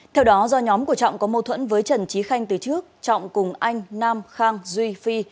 theo đó do nhóm của trọng có mâu thuẫn với trần trí khanh từ trước trọng cùng anh nam khang duy phi